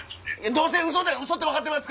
どうせウソって分かってます。